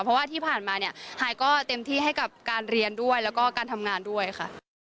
เพราะว่าที่ผ่านมาเนี่ยหายก็เต็มที่ให้กับการเรียนด้วยแล้วก็การทำงานด้วยค่ะ